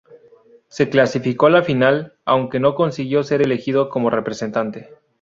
Se clasificó a la final aunque no consiguió ser elegido como representante.